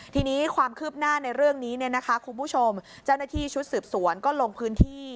ทีนี้ความคืบหน้าในเรื่องนี้เนี่ยนะคะคุณผู้ชมเจ้าหน้าที่ชุดสืบสวนก็ลงพื้นที่